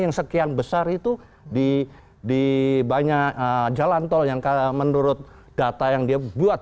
yang sekian besar itu di banyak jalan tol yang menurut data yang dia buat